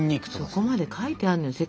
そこまで書いてあるのよ。